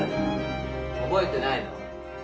覚えてないの？